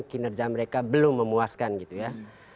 kinerja mereka belum memuaskan gitu ya